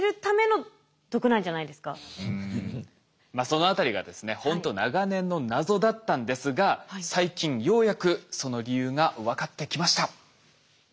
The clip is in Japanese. そのあたりがですねほんと長年の謎だったんですが最近ようやくその理由が分かってきました。